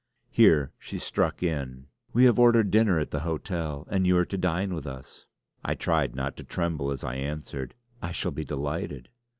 Here she struck in: "We have ordered dinner at the hotel; and you are to dine with us." I tried not to tremble as I answered: "I shall be delighted."